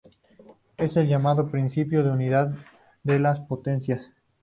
Es el llamado principio de unidad de las potencias.